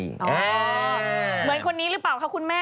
เหมือนคนนี้หรือเปล่าคะคุณแม่